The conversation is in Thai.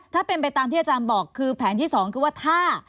ถ้าเป็นไปตามที่อาจารย์บอกคือแผนที่สองคือว่าถ้า